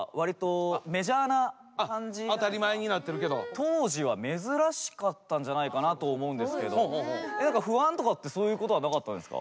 当時は珍しかったんじゃないかなと思うんですけど何か不安とかってそういうことはなかったんですか？